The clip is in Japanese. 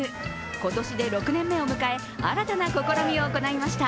今年で６年目を迎え、新たな試みを行いました。